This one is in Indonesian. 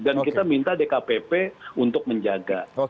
dan kita minta dkpp untuk menjaga